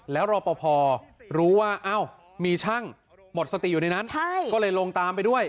แล้วรอปภรู้ว่ามีช่างหมดสติอยู่ในนั้นก็เลยลงตามไปด้วย